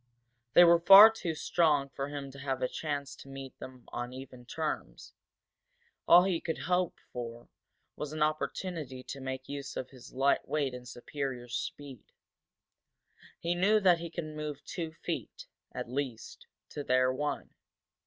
They were far too strong for him to have a chance to meet them on even terms, all he could hope for was an opportunity to make use of his light weight and his superior speed. He knew that he could move two feet, at least, to their one.